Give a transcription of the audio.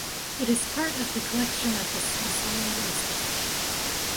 It is part of the collection of the Smithsonian Institution.